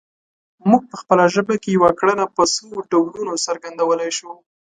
موږ په خپله ژبه کې یوه کړنه په څو ډولونو څرګندولی شو